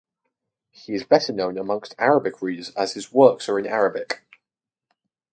He is better known amongst Arabic readers as his works are in Arabic.